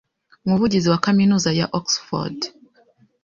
Umuvugizi wa Kaminuza ya Oxford